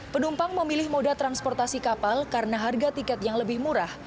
penumpang memilih moda transportasi kapal karena harga tiket yang lebih murah